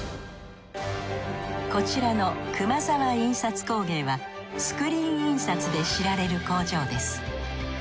こちらの熊沢印刷工芸はスクリーン印刷で知られる工場です。